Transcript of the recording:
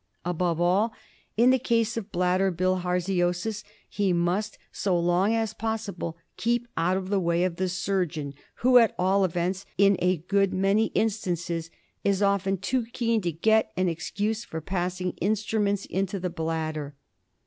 Above all, in the case of bladder bilharziosis he must, so long as possible, keep out of the way of the surgeon who, at all events in a good many instances, is only too keen to get an excuse for passing instruments into the bladder.